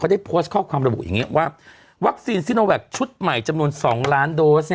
ได้โพสต์ข้อความระบุอย่างนี้ว่าวัคซีนซิโนแวคชุดใหม่จำนวน๒ล้านโดส